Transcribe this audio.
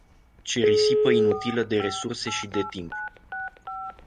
Ce risipă inutilă de resurse și de timp.